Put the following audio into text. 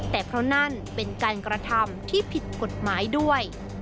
แต่เพราะนั่นเป็นการกระทำที่ผิดกฎหมายด้วย